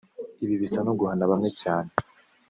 “Ibi bisa no guhana bamwe cyane